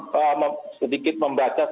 saya akan sedikit membaca